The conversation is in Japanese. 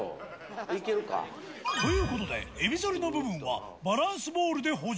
いけるか？ということで、えび反りの部分はバランスボールで補助。